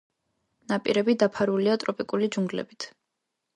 ნაპირები დაფარულია ტროპიკული ჯუნგლებით.